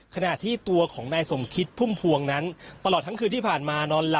ขณะที่ตัวของนายสมคิดพุ่งพวงนั้น